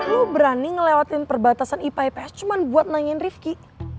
lo berani ngelewatin perbatasan ips cuma buat nangin rifki